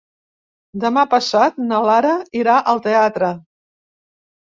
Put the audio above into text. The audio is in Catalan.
Demà passat na Lara irà al teatre.